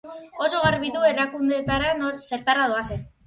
Oso garbi du erakundeetara zertara doazen.